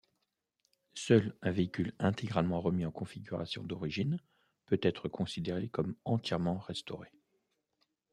Seul un véhicule intégralement remis en configuration d'origine peut être considéré comme entièrement restauré.